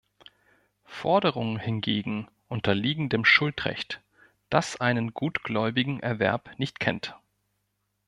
Forderungen hingegen unterliegen dem Schuldrecht, das einen gutgläubigen Erwerb nicht kennt.